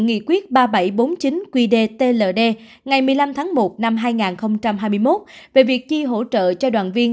nghị quyết ba nghìn bảy trăm bốn mươi chín qdtld ngày một mươi năm tháng một năm hai nghìn hai mươi một về việc chi hỗ trợ cho đoàn viên